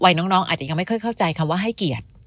น้องอาจจะยังไม่ค่อยเข้าใจคำว่าให้เกียรติ